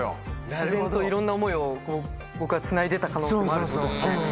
自然といろんな思いを僕はつないでた可能性もあると。